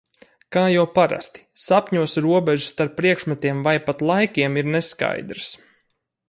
Kā jau parasti, sapņos robežas starp priekšmetiem vai pat laikiem ir neskaidras.